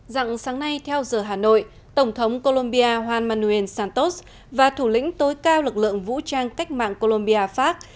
rằng sáng nay theo giờ hà nội tổng thống colombia juan manuel santos và thủ lĩnh tối cao lực lượng vũ trang cách mạng colombia pháp